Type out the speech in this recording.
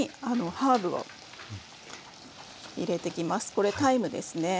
これタイムですね。